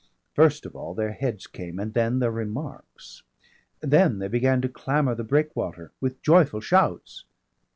First of all their heads came, and then their remarks. Then they began to clamber the breakwater with joyful shouts.